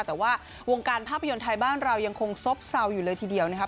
แต่ว่าวงการภาพยนตร์ไทยบ้านเรายังคงซบเศร้าอยู่เลยทีเดียวนะครับ